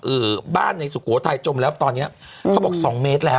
บ้านในสุโขทัยจมแล้วตอนเนี้ยเขาบอกสองเมตรแล้ว